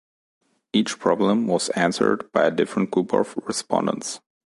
Each problem was answered by a different group of respondents.